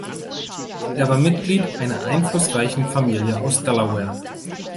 Er war Mitglied einer einflussreichen Familie aus Delaware.